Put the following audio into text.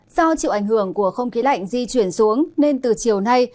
do chịu ảnh hưởng của không khí lạnh di chuyển xuống nên từ chiều nay